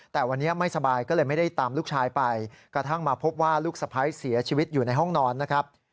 แต่วันนี้ไม่สบายก็เลยไม่ได้ตามลูกชายไปกระทั่งมาพบว่าลูกสะพ้ายเสียชีวิตอยู่ในห้องนอนนะครับ